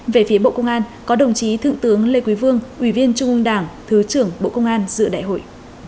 về phía bộ công an có đồng chí thượng tướng lê quý vương ủy viên trung ương đảng thứ trưởng bộ công an dự đại hội